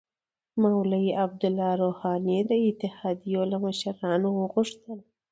مولوی عبدالله روحاني د اتحادیو له مشرانو وغوښتل